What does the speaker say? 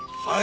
はい！